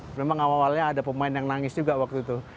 memang awal awalnya ada pemain yang nangis juga waktu itu